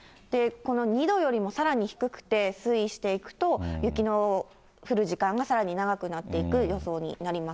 この２度よりもさらに低くて、推移していくと、雪の降る時間がさらに長くなっていく予想になります。